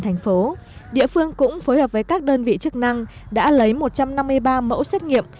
thành phố địa phương cũng phối hợp với các đơn vị chức năng đã lấy một trăm năm mươi ba mẫu xét nghiệm